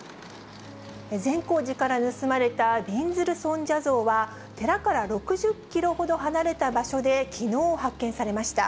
善光寺から盗まれたびんずる尊者像は、寺から６０キロほど離れた場所で、きのう発見されました。